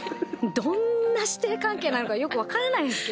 どんな師弟関係かよく分からないですけど。